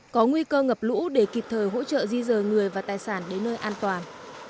có nguy cơ ngập lũ để kịp thời hỗ trợ di rời người và tài sản đến nơi an toàn